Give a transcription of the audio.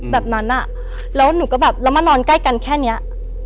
แบบนั้นอ่ะแล้วหนูก็แบบแล้วมานอนใกล้กันแค่เนี้ย